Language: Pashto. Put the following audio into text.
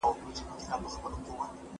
تجارت محدود و.